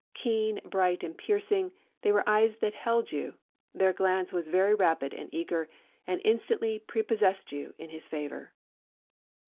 Keen, bright, and piercing, they were eyes that held you. Their glance was very rapid and eager, and instantly prepossessed you in his favour."